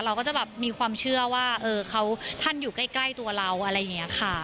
เราก็จะแบบมีความเชื่อว่าท่านอยู่ใกล้ตัวเราอะไรอย่างนี้ค่ะ